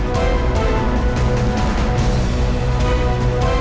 kok ada suaranya